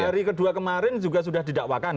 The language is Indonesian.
hari kedua kemarin juga sudah didakwakan